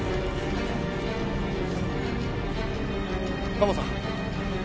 カモさん。